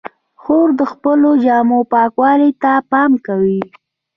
خور د خپلو جامو پاکوالي ته پام کوي.